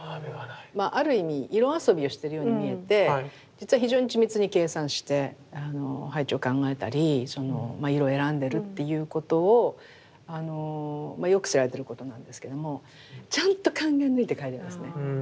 ある意味色遊びをしてるように見えて実は非常に緻密に計算して配置を考えたり色を選んでるっていうことをよく知られてることなんですけれどもちゃんと考え抜いて描いてますね。